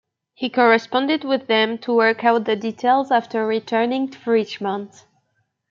He corresponded with them to work out the details after returning to Richmond.